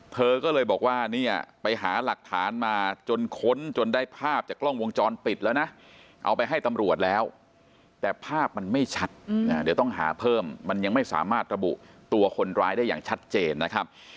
เธอก็เลยบอกว่าเนี่ยไปหาหลักฐานมาจนค้นจนได้ภาพจากกล้องวงจรปิดแล้วนะเอาไปให้ตำรวจแล้วแต่ภาพมันไม่ชัดเดี๋ยวต้องหาเพิ่มมันยังไม่สามารถระบุตัวคนร้ายได้อย่างชัดเจนนะครับ